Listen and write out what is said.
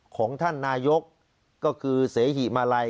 ของท่านนายกก็คือเสหิมาลัย